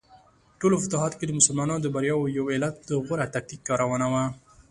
ټولو فتوحاتو کې د مسلمانانو د بریاوو یو علت د غوره تکتیک کارونه وه.